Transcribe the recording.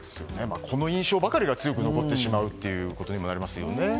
この印象ばかりが強く残ってしまうことにもなりますよね。